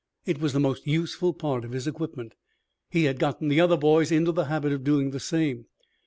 It was the most useful part of his equipment. He had gotten the other boys into the habit of doing the same.